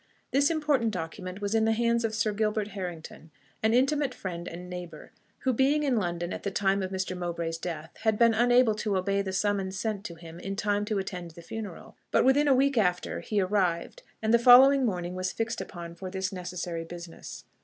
This important document was in the hands of Sir Gilbert Harrington, an intimate friend and neighbour, who being in London at the time of Mr. Mowbray's death, had been unable to obey the summons sent to him in time to attend the funeral; but within a week after he arrived, and the following morning was fixed upon for this necessary business.